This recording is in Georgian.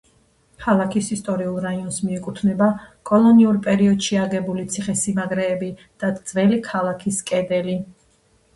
ქალაქის ისტორიულ რაიონს მიეკუთვნება, კოლონიურ პერიოდში აგებული ციხესიმაგრეები და ძველი ქალაქის კედელი.